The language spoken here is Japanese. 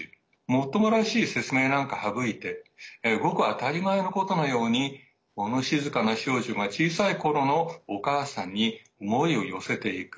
最もらしい説明なんか省いてごく当たり前のことのようにもの静かな少女が小さいころのお母さんに思いを寄せていく。